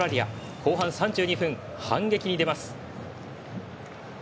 後半３２分、反撃に出ます。